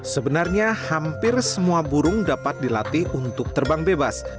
sebenarnya hampir semua burung dapat dilatih untuk terbang bebas